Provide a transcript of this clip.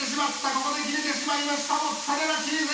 ここで切れてしまいましたモッツァレラチーズ！